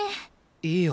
いいよ